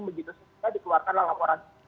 begitu sehingga dikeluarkanlah laporan